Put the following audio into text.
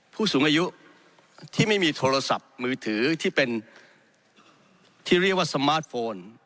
ผู้สูงอายุที่ไม่มีโทรศัพท์มือถือที่เป็นที่เรียกว่าสมาร์ทโฟน